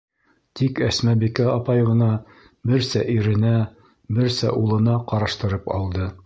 Тик Әсмәбикә апай ғына берсә иренә, берсә улына ҡараштырып алды.